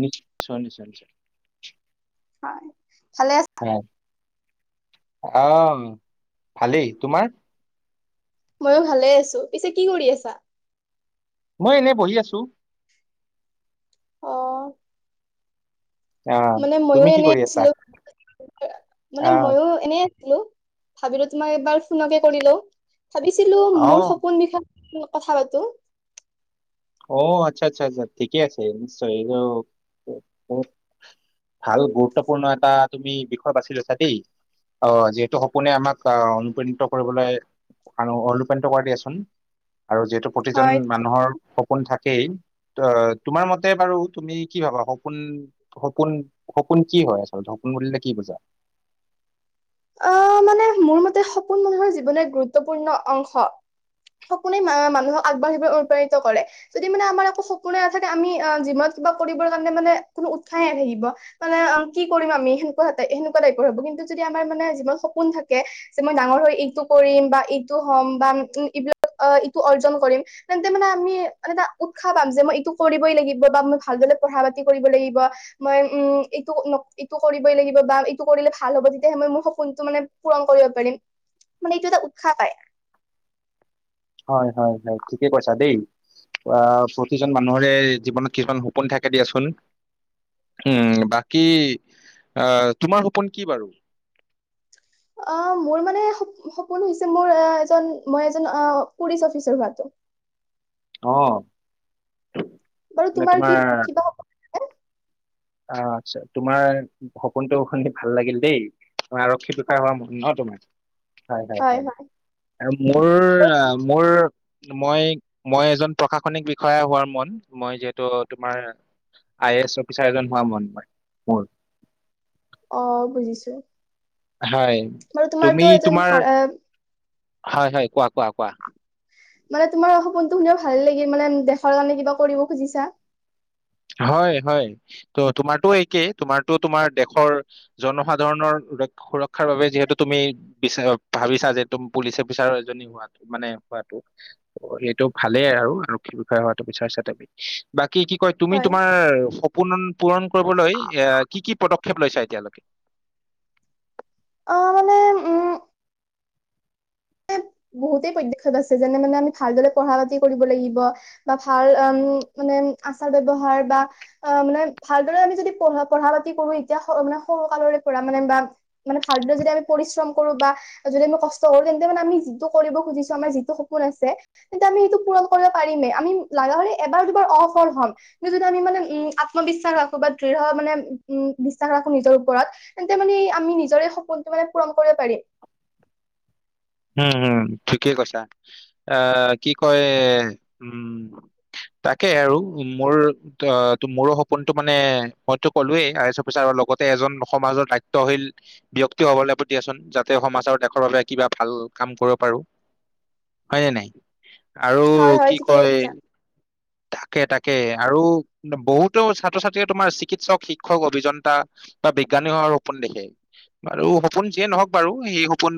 নি নিশ্চয় ছ নিশ্চয় নিশ্চয় [inaudible] হয় ভালে আছ অহ ভালেই তোমাৰ ময়ো ভালে আছো পিছে কি কৰি আছা [inaudible] মই এনে বহি আছো [inaudible] অ আহ মানে ময়ো তুমি কি এনে কৰি আছা? আছিলো মানে আহ ময়ো এনে ভাবিলো তোমাক এবাৰ ফোনকে কৰিলো ভাবিছিলো আহ মোৰ সপোন বিষাল কথা পাতো [inaudible] অ আচ্ছা আচ্ছা আচ্ছা ঠিকে আছে নিশ্চয় এইটো [inaudible] ভাল গুৰুত্বপূৰ্ণ এটা তুমি বিষয় বাচি লৈছা দেই অ যিহেতু সপোনে আমাক আহ অনুপ্ৰাণিত কৰিবলৈ অনুপায়ণিত কৰা দিয়াচোন আৰু যিহেতু প্ৰতিজন হয় মানুহৰ সপোন থাকেই অ তোমাৰ মতে বাৰু তুমি কি ভাবা সপোন সপোন সপোন কি হয় আচল স উ উিলে কি বুজা [inaudible] আহ মানে মোৰ মতে সপোন মানুহৰ জীৱনৰ গুৰুত্বপূৰ্ণ অংশ। সপোনে মানুহক আগবাঢ়িবলৈ অনুপ্ৰাণিত কৰে যদি মানে আমাৰ একো সপোনে নাথাকে আমি জীৱনত কিবা কৰিবৰ কাৰণে মানে কোনো উৎসাহে থাকিব মানে অ কি কৰিম আমি সেনেকুৱা সেনেুৱা টাইপৰ হ'ব কিন্তু যদি আ হয় মানে যিমান সপোন থাকে যে মই ডাঙৰ হৈ এইটো কৰিম বা এইটো হন বা [unintelligible] বা এইটো অৰ্জন কৰিম তেন্তে মানে আমি এটা উৎসাহ পাম যে মই এইটো কৰিবই লাগিব বা মই ভালদৰে পঢ়া পঢ়া-পাতি কৰিবই লাগিব মই উম এইটো এইটো কৰিবই লাগিব বা এইটো কৰিলে ভাল হ'ব তেতিয়াহে মই মোৰ সপোনটো মানে পূৰণ কৰিব পাৰিম, মানে এইটো এটা উৎসাহ পায়। হয় হয় হয় ঠিকে কৈছা দেই। আহ প্ৰতিজন মানুহৰে জীৱনত কিছুমান সপোন থাকে দিয়াচোন। উম বাকী, আহ তোমাৰ সপোন কি বাৰু? অ মোৰ মানে সপোন হৈছে মোৰ এজন মই এজন পুলিচ অফিচাৰ হোৱাটো। [inaudible] অঁ বাৰু তোমাৰ কি কিবা সপো আ আচ্ছা তোমাৰ সপোনটো শুনি ভাল লাগিল দেই। তোমাৰ আৰক্ষী বিষয়া হোৱা মন ন তোমাৰ। হয় হয় হয় আৰু মোৰ, বাৰু, মোৰ মই, এজন মই এজন প্ৰশাসনিক বিষয়া হোৱাৰ মন, মই যিহেতু তোমাৰ আই এ এছ অফিচাৰ এজন হোৱা মন ম মোৰ। অঁ বুজিছো। হয়, বাৰু তুমি তোমাৰতো এজন তোমাৰ, ভাল আহ, হয় হয় কোৱা কোৱা কোৱা। মানে তোমাৰ সপোনটো শুনিও ভাল লাগিল মানে দেশৰ কাৰণে কিবা কৰিব খুজিছা। হয় হয়, ত তোমাৰতো একেই তোমাৰটো তোমাৰ দেশৰ জনসাধাৰণৰ সুৰক্ষাৰ বাবে যিহেতু তুমি বিচাৰক ভাবিছা যে তুমি পুলিচ অফিচাৰ এজনী হোৱাটো মানে সেইটো ভালেই আৰু আৰক্ষী বিষয়ে হোৱাটো বিচাৰছা তুমি, বাকী কি? কয় তুমি হয়। তোমাৰ সপোন পূৰণ কৰিবলৈ এ কি কি পদক্ষেপ লৈছা এতিয়ালৈকে? অঁ মানে উম। বহুতে পদক্ষেপ আছে যেনে মানে আমি ভালদৰে পঢ়া-পাতি কৰিব লাগিব বা ভাল আচাৰ ব্যৱহাৰ বা মানে ভালদৰে আমি যদি প পঢ়া পাতি কৰো এতিয়া মানে সৰু ফালৰে পৰা মানে বা মানে ভালদৰে যদি আমি পৰিশ্ৰম কৰো বা যদি আমি কষ্ট কৰো তেন্তে মানে আমি কৰিব খুজিছো আমাৰ যিটো সপোন আছে তেন্তে আমি সেইটো পূৰণ কৰিব পাৰিমে আমি লাগা হলে এবাৰ দুবাৰ সফল হম কি যদি আমি মানে উম আত্মবিশ্বাস ৰাখো বা দৃঢ় মানে উম বিশ্বাস ৰাখো নিজৰ ওপৰত তেন্তে মানে আমি নিজৰে সপোনটো মানে পূৰণ কৰিব পাৰিম। উম হম ঠিকে কৈছা, আহ কি কয় উম। তাকে আৰু মোৰ, অঁ মোৰো সপোনটো মানে মইতো ক'লোৱয়েই আই এছ অফিচাৰ হোৱা লগতে এজন সমাজৰ দায়িত্বশীল ব্যক্তি হব লাগিব দিয়াচোন যাতে সমাজৰ দেশৰ বাবে কিবা ভাল কাম কৰিব পাৰো, হয় ন নাই? হয় আৰু হয় কি ঠিকেই কয়? কৈছা [inaudible] তাকে তাকে আৰু বহুতো ছাত্ৰ ছাত্ৰ তোমাৰ চিকিৎসক, শিক্ষক, অভিযন্তা বা [unintelligible] হোৱাৰ সপোন দেখে। আৰু সপোন যিয়ে নহওক বাৰু সেই সপোন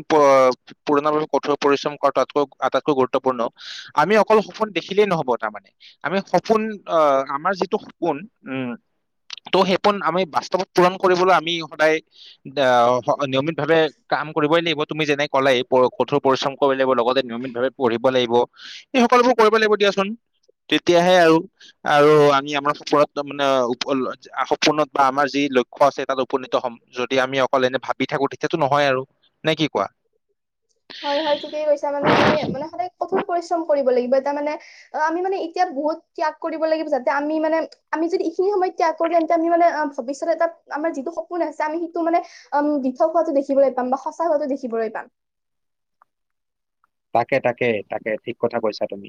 পূৰণ হোৱাৰ বাবে কঠোৰ পৰিশ্ৰম কৰা তাতকৈ আট গুৰুত্বপূৰ্ণ আমি অকল সপোন দেখিলেই নহ'ব তাৰ মানে আমি সপোন, আহ আমাৰ যিটো সপোন, উম ত' সেই সপোন আমি বাস্তৱত পূৰণ কৰিবলৈ আমি সদায় আহ নিয়মিত ভাৱে কাম কৰিবই লাগিব। তুমি যেনে কলাই এই কঠোৰ পৰিশ্ৰম কৰিব লাগিব লগতে নিয়মিত ভাৱে পঢ়িব লাগিব এই সকলোবোৰ কৰিব লাগিব দিয়া [unintelligible] তেতিয়াহে আৰু, আৰু আমি আমাৰ সপোনত মানে সপোনত বা আমাৰ যি লক্ষ্য আছে তাত উপনীত হ'ম। যদি আমি অকল এনে ভাবি থাকো তেতিয়াতো নহয় আৰু। নে কি? কোৱা? হয় হয়, ঠিকেই কৈছা। মানে আমি মানে সদায় কঠোৰ পৰিশ্ৰম কৰিব লাগিব, এটা মানে আমি মানে এতিয়া বহুত ত্যাগ কৰিব লাগিব। যাতে আমি মানে আমি যদি এইখিনি সময় ত্যাগ কৰোঁ, তেন্তে আমি মানে ভবিষ্যত এটা আমাৰ যিটো সপোন আছে আমি সিটো মানে উম দিঠক হোৱাটো দেখিবলে। পাম বা সঁচা হোৱাতো দেখিবলৈ পাম। তাকে তাকে তাকে, ঠিক কথা কৈছা তুমি।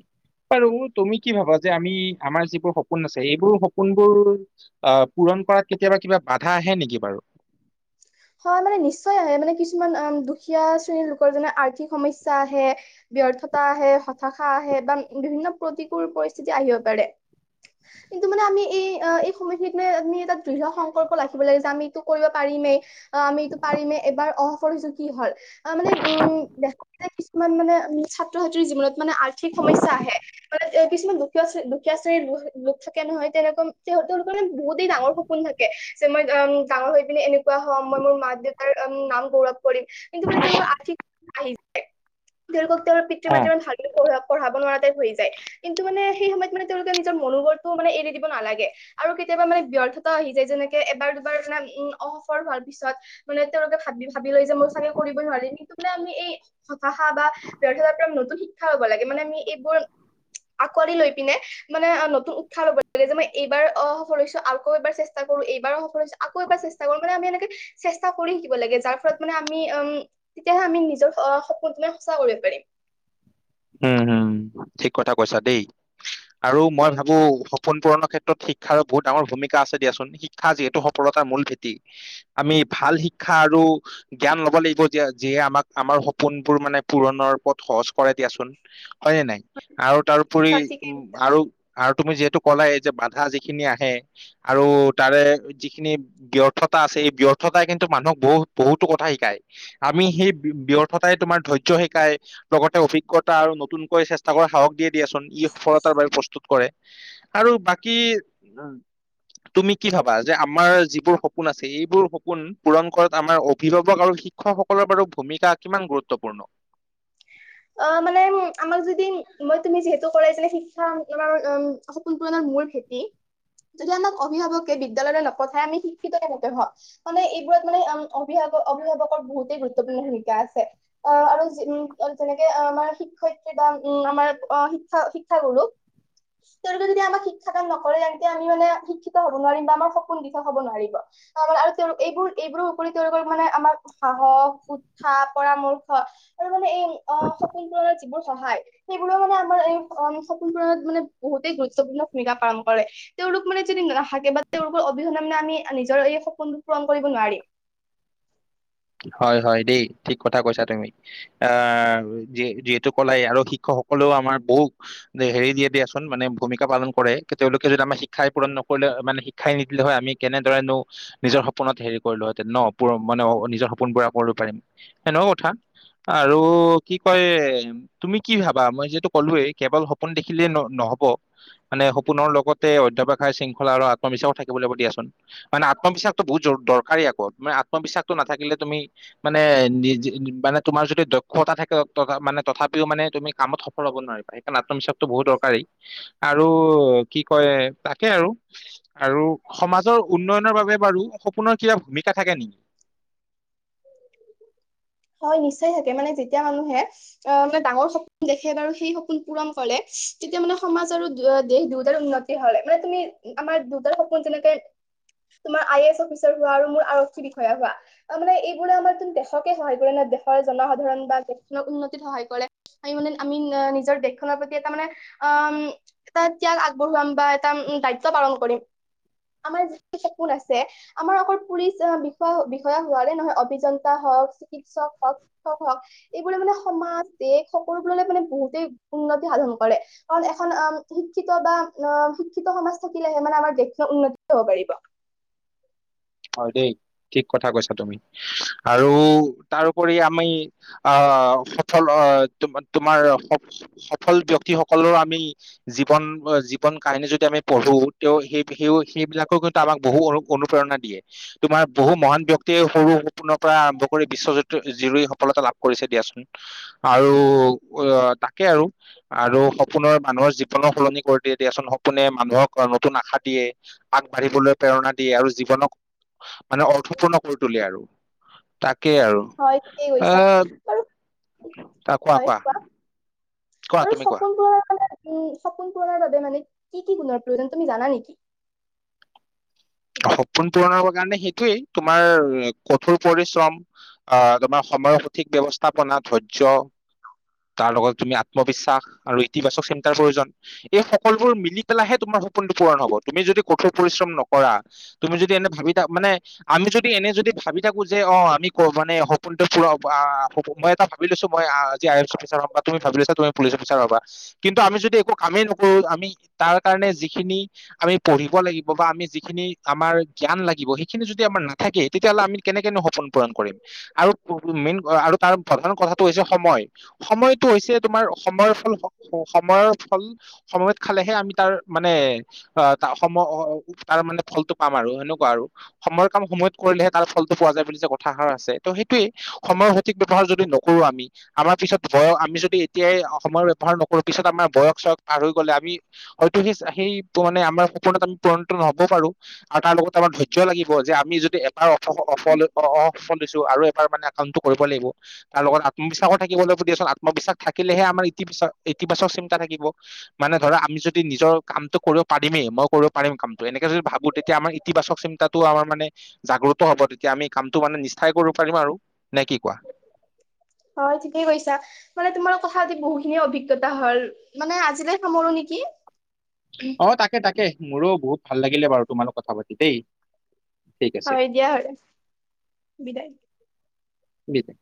বাৰু তুমি কি ভাবা যে আমি আমাৰ যিবোৰ সপোন আছে এইবোৰ সপোনবোৰ আহ, পুৰন ন কৰাত কেতিয়াবা কিবা বাধা আহে নেকি বাৰু? [inaudible] হয় মানে নিশ্চয় আহে মানে কিছুমান [unintelligible] দুখীয়া শ্ৰেণীৰ লোকৰ যেনে আৰ্থিক সমস্যা আহে ব্যৰ্থতা আহে, হতাশা আহে বা বিভিন্ন প্ৰতিকূল পৰিস্থিতি আহিব পাৰে। কিন্তু মানে আমি এই- এই সময়খিনিত মানে আমি এটা দৃঢ় সংকল্প লাখিব লাগে যে আমি এইটো কৰিব পাৰিমেই অ, আমি এইটো পাৰিমে এবাৰ [unintelligible] কি হল অ, মানে উম, দেখা কিছুমান মানে উম, ছাত্ৰ-ছাত্ৰীৰ জীৱনত মানে আৰ্থিক সমস্যা আহে মানে এ কিছুমান দুখীয়া শ্ৰে- দুখীয়া শ্ৰে লোক থাকে নহয় তেনেকুৱা সিহঁতৰলোকৰ মানে বহুতেই ডাঙৰ সপোন থাকে যে মই উম, ডাঙৰ হৈ পিনে এনেকুৱা হ মই মোৰ মাক দেউতাৰ উম নাম গৌৰৱ কৰিম কিন্তু মানে তেওঁলোকৰ আথিক আহি যায় তেওঁলোকক তেওঁৰ অ পিতৃ-মাতৃ ইমান ভালকে পঢ়োৱা পঢ়াব নোৱাৰাত শেষ হৈ যায় কিন্তু মানে সেই সময়ত মানে তেওঁলোকে নিজৰ মনোবলটোও মানে এৰি দিব নালাগে আৰু কেতিয়াবা মানে ব্য ব্যৰ্থতাও আহি যায় যেনেকে এবাৰ, দুবাৰ [unintelligible] উম, অসফল পিছত মানে তেওঁলোকে ভাবি-ভাবি লয় যে মই চাগে কৰিবই নোৱাৰিম কিন্তু মানে আমি এই হতাশা বা ব্যৰ্থতাৰ পৰা নতুন শিক্ষা হ'ব লাগে মানে আমি এইবোৰ আঁকোৱালি লৈ পিনে মানে নতুন উৎসাহ ল'ব লাগে যে মই এইবাৰ অসফল হৈছোঁ আকৌ এবাৰ চেষ্টা অ, এইবাৰ অসফল হৈছে আকৌ এবাৰ চেষ্টা কৰিম মানে আমি এনেকে চেষ্টা কৰি শিকিব লাগে যাৰ ফলত মানে আমি উম, তেতিয়াহে আমি নিজৰ অ, সপোনটো মানে সঁচা কৰিব পাৰিম। [inaudible] উম, হম ঠিক কথা কৈছা দেই আৰু মই হয় ভাবো সোন পূৰণৰ ক্ষেত্ৰত শিক্ষাৰ বহুত ডাঙৰ ভূমিকা আছে দিয়াচোন। শিক্ষা যিহেতু সফলতাৰ মূল ভেটি আমি ভাল শিক্ষা আৰু জ্ঞান ল'ব লাগিব যে যিয়ে আমাক আমাৰ সপোনবোৰ মানে পূৰণৰ পথ সহজ কৰে দিয়াচোন হয়নে নাই আৰু তাৰপৰি হয় ঠিকেই উম কৈছা। আৰু আৰু তুমি যিহেতু কলাই যে বাধা যিখিনি আহে আৰু তাৰে যিখিনি ব্যৰ্থত আছে এই ব্যৰ্থতাই কিন্তু মানুহক বহুত, বহুতো কথা শিকায়। আমি সেই ব্যৰ্থতাই তোমাৰ ধৈয্য শিকাই লগতে অফ গতা আৰু নতুনকৈ চেষ্টা কৰ সাহস দিয়ে দিয়াচোন ই সফলতাৰ বাবে প্ৰস্তুত কৰে আৰু বাকী কি উম, তুমি কি ভাবা যে আমাৰ যিবোৰ সপোন আছে এইবোৰ সপোন পূৰণ কৰাত আমাৰ অভিভাৱক আৰু শিক্ষকসকলৰ বাৰু ভূমিকা কিমান গুৰুত্বপূৰ্ণ? অ মানে আমাক যদি মই তুমি যিহেতু কৰাইছিলে শিক্ষা আমাৰ উম সপোন পুৰণৰ মূৰ ভেটি যদি আমাক অভিভাৱকে বিদ্যালয়লৈ নপঠাই আমি শিক্ষিত কেনেকে হম মানে এইবোৰত মানে অভিভা অভিভাৱকৰ বহুতেই গুৰুত্বপূৰ্ণ ভূমিকা আছে আহ আৰু যি যেনেকে আমাৰ শিক্ষয়িত্ৰী বা উম আমাৰ অ শিক্ষা শিক্ষাগুৰু তেওঁলোকে যদি আমাক শিক্ষা কাম নকৰে তেতিয়া আমি মানে শিক্ষিত হব নোৱাৰিম বা আমাৰ সপোন দিঠক হব নোৱাৰিব অ মানে আৰু তেওঁ এইবোৰ এইবোৰ উপৰি তেওঁলোকৰ মানে আমাৰ সাহস, উৎসাহ, পৰামৰ্শ আৰু মানে এই অ সপোন পুৰণত যিবোৰ সহায় সেইবোৰো মানে আমাৰ এই সপোন পূৰণত মানে বহুতেই গুৰুত্বপূৰ্ণ ভূমিকা পালন কৰে তেওঁলোক মানে যদি নাথাকে বা তেওঁলোকৰ অবিহনে মানে আমি নিজৰ এই সপোন পূৰণ কৰিব নোৱাৰি হয় হয় দেই ঠিক কথা কৈছা তুমি আহ যি যিহেতু কলাই আৰু শিক্ষকসকলেও আমাৰ বহু হেৰি দিয়ে দিয়াচোন মানে ভূমিকা পালন কৰে, তেওঁলোকে যদি আমাৰ শিক্ষাই পূৰণ নকৰিলে মানে শিক্ষাই নিদিলে হয় আমি কেনেদৰেনো নিজৰ সপোনত হেৰি কৰিলো হেতেন ন? মানে নিজৰ সপোন পুৰা কৰিব পাৰিম সেনেও কোৱাও কথা আৰু কি কয়, তুমি কি ভাবা? মই যিহেতু ক'লোৱেই কেৱল সপোন দেখিলে ন- নহব মানে সপোনৰ লগতে অধ্যাপকা শৃংখলা আত্মবিশ্বাস থাকিব লাগিব দিয়াচোন মানে আত্মবিশ্বাসটো বহুত দৰকাৰী আকৌ আত্মবিশ্বাসটো নাথাকিলে তুমি মানে নি‌ মানে তোমাৰ যদি দক্ষতা থাকে মানে তথাপিও মানে তুমি কামত সফল হ'ব নোৱাৰিবা। সেইকাৰণে আত্মবিশাসটো বহুত দৰকাৰী। আৰু কি কয় সেইয়াই আৰু, আৰু সমাজৰ উন্নয়ন বাবে বাৰু সপোনৰ কিবা ভূমিকা থাকে নেকি? হয় নিশ্চয় থাকে, মানে যেতিয়া মানুহে অ-মানে ডাঙৰ সপোন দেখে বাৰু সেই সপোন পূৰণ কৰে তেতিয়া মানে সমাজ আৰু দেশ দুয়টাৰ উন্নতি হ'লে মানে তুমি আমাৰ দুইটাৰ সপোন যেনেকে তোমাৰ আই এ এছ অফিচাৰ হোৱা আৰু মোৰ আৰক্ষী বিষয়া হোৱা। তাৰমানে এই বোৰে আমাৰচোন দেশকে সহায় কৰে ন, দেশৰ জনসাধাৰণ বা দেশখনৰ উন্নতিত সহায় কৰে। আমি মানে, আমি নিজৰ দেশখনৰ প্ৰতি এটা মানে অ' এটা ত্যাগ আগ বঢ়োৱাম বা এটা উম, দায়িত্ব পালন কৰিম। আমাৰ যিটো সপোন আছে, আমাৰ অকল পুলিচ বিষয়া হোৱাৰে নহয়। অ অভিযন্তা হওক, চিকিৎসক হওক, শিক্ষক হওক এইবোৰে মানে সমা দেশ সকলো বোৰলে মানে ব তেই উন্নতি সাধন কৰে, কাৰণ এখন অ' শিক্ষিত বা অ' শিক্ষিত সমাজ থাকিলেহে মানে আমাৰ আমাৰ দেশখনৰ উন্নতি হব পাৰিব। হয় দেই, ঠিক কথা কৈছা তুমি। আৰু তাৰওপৰি আমি আ আ' সফল, অ' তোমাৰ স-সফল ব্যক্তিসকলৰো আমি জীৱন জীৱন কাহিনী যদি আমি পঢ়ো তেওঁ সেই সেইবিলাকেটো আমাক বহু অনু-অনুপ্ৰেৰণা দিয়ে। তোমাৰ বহু মহান ব্যক্তিয়ে সৰু সপোনৰ পৰা আৰম্ভ কৰি বিশ্বজুৰি সফলতা লাভ কৰিছে দিয়া। আৰু অ' তাকে আৰু, আৰু সপোনৰ মানুহৰ জীৱনৰ সলনি কৰি দিয়ে দিয়াচোন। সপোনে মানুহক নতুন আশা দিয়ে আগবাঢ়িবলৈ প্ৰেৰণা দিয়ে আৰু জীৱনক মানে অৰ্থপূৰ্ণ কৰি তোলে আৰু, তাকেই আৰু। হয় ঠিকেই কৈছা অঁ বাৰু আ কোৱা কোৱা। কোৱা [unintelligible] উম, তুমি কোৱা সপোন পূৰণৰ বাবে মানে কি কি গুণৰ প্ৰয়োজন। তুমি জানা নেকি? সপোন পূৰণ হবৰ কাৰণে সেইটোয়েই তোমাৰ কঠোৰ পৰিশ্ৰম। আ' তোমাৰ সময়ৰ সঠিক ব্যৱস্থাপনা। ধৰ্য্য! তাৰ লগত তুমি আত্মবিশ্বাস আৰু ইতিবাচক চিন্তাৰ প্ৰয়োজন। এই সকলবোৰ মিলি পেলাইহে তোমাৰ সপোনটো পূৰণ হ'ব। তুমি যদি কঠোৰ পৰিশ্ৰম নক কৰা, তুমি যদি এনে ভাবি থাকা মানে আমি যদি এনে যদি ভাবি থাকো যে। অ' আমি মানে সপোনটো পুৰাও। আ' মই এটা ভাবি লৈছো, মই আজি আই এছ অফিচাৰ হম বা তুমি ভাবি লৈছা তুমি পুলিচ অফিচাৰ হবা। কিন্তু আমি যদি একো কামেই নকৰো আমি তাৰ কাৰণে যিখিনি আমি পঢ়িব লাগিব বা আমি যিখিনি আমাৰ জ্ঞান লাগিব, সেইখিনি যদি আমাৰ নাথাকে তেতিয়াহ'লে আমি কেনেকেনো সপোন পুৰণ কৰিম? আৰু মেইন আৰু তাৰ প্ৰধান কথাটো হৈছে সময়। সময়টো হৈছে তোমাৰ সময়ৰ ফল, সময়ৰ ফল সময়ত খালে হে আমি তাৰ মানে অ তাৰ অসমৰ অ অ তাৰ মানে ফলটো পাম আৰু সেনেকুৱা আৰু। সময়ৰ কাম সময়ত কৰিলেহে তাৰ ফলটো পোৱা যায় বুলি যে কথাষাৰ আছে। ত' সেইটোয়ে সময়ৰ সঠিক ব্যৱহাৰ যদি নকৰো আমি আমাৰ পিছত বয়স আমি যদি এতিয়াই সময়ৰ ব্যৱহাৰ নকৰো পিছত আমাৰ বয়স-চয়স পাৰ হৈ গ'লে আমি হয়তো সেই-সেই ধৰনে আমাৰ সপোন পুৰন নহব পাৰো আৰু তাৰ লগত আমাৰ ধৈৰ্য লাগিব যে আমি যদি এবাৰ অসফল অ অ সফল দিছো আৰু এবাৰ মানে কামটো কৰিব লাগিব। তাৰ লগত আত্মবিশ্বাসত থাকিব লাগব দিয়াচোন আ ত্ম বিশ্বাস থাকিলেহে আমাৰ ইতিবাচক- ইতিবাচক চিন্তা থাকিব, মানে ধৰা আমি যদি নিজৰ কামটো কৰি পাৰিমেই, মই কৰিব পাৰিম কাম এনেকে যদি ভাবো তেতিয়া আমাৰ ইতিবাচক চিন্তাটো আমাৰ মানে জাগ্ৰত হ'ব তেতিয়া আমি কামটো মানে নিষ্ঠাৰে কৰি পাৰিম আৰু, নে কি কোৱা? [inaudible] হয় ঠিকেই কৈছা, মানে তোমাৰ কথা বহুতখিনিয়ে অভিজ্ঞতা হল মানে আজিলে সামৰো নেকি? কি? অ', তাকে, তাকে। মোৰো বহুত ভাল লাগিলে বাৰু, তোমাৰ লগত কথা পাতি দেই। ঠিক হয়, দিয়া হলে বিদায়। বিদায়।